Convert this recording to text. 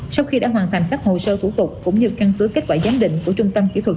sau khi đã hoàn thành các hồ sơ thủ tục cũng như căn cứ kết quả giám định của trung tâm kỹ thuật